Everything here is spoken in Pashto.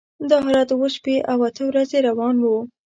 دا حالت اوه شپې او اته ورځې روان و.